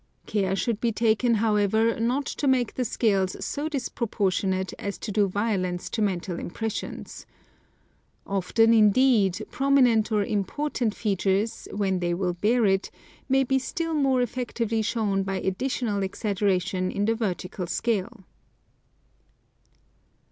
Care should be taken, however, not to make the scales so dispro portionate as to do violence to mental impressions. Often, in deed, prominent or important features, when they will bear it, may be still more effectively shown by additional exaggeration in the vertical scale."